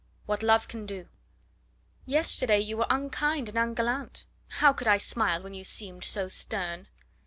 WHAT LOVE CAN DO "Yesterday you were unkind and ungallant. How could I smile when you seemed so stern?"